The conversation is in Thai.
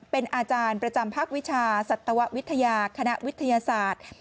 เป็นอาจารย์ประจำภาควิชาสัตววิทยาคณะวิทยาศาสตร์